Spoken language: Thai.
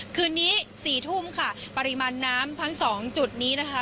คืนนี้สี่ทุ่มค่ะปริมาณน้ำทั้งสองจุดนี้นะคะ